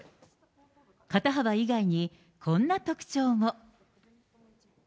肩幅以外に、こんな特徴も。